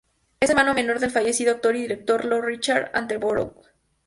Es hermano menor del fallecido actor y director Lord Richard Attenborough.